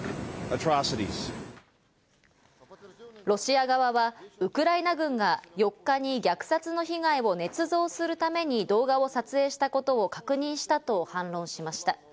ロシア側はウクライナ軍が４日に虐殺の被害をねつ造するために動画を撮影したことを確認したと反論しました。